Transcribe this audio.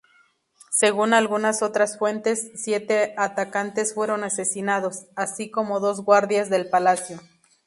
Según algunas otras fuentes, siete atacantes fueron asesinados, así como dos guardias del palacio.